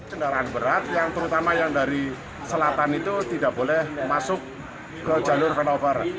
kendaraan berat yang terutama yang dari selatan itu tidak boleh masuk ke jalur frnover